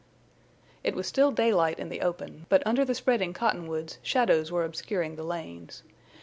It was still daylight in the open, but under the spreading cottonwoods shadows were obscuring the lanes.